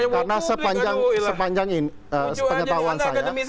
karena sepanjang penyebawan saya